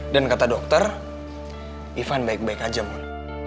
dan kata dokter ivan baik baik aja mon